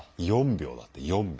４秒だって４秒。